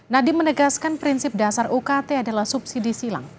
nadiem menegaskan prinsip dasar ukt adalah subsidi silang